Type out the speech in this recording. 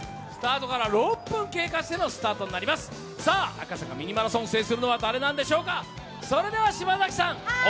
赤坂ミニマラソンを制するのは誰なんでしょうか。